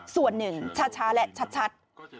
ส่วนหนึ่งช้าและชัด